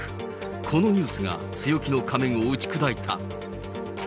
このニュースが強気の仮面を打ち砕いた。